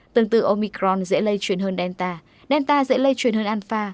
tương tự omicron dễ lây truyền hơn delta delta dễ lây truyền hơn anfa